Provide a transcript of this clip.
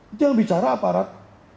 itu yang bicara aparat